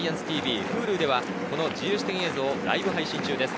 ＧＩＡＮＴＳＴＶ、Ｈｕｌｕではこの自由視点映像をライブ配信中です。